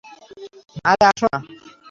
আরে আসো না।